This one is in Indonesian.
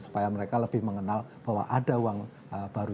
supaya mereka lebih mengenal bahwa ada uang baru